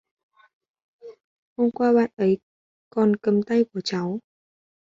hôm qua bạn ấy còn cầm tay của cháu